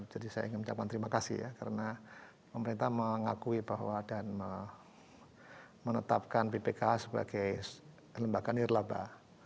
jadi saya ingin menerima terima kasih ya karena pemerintah mengakui bahwa dan menetapkan bpkh sebagai lembaga nirlaba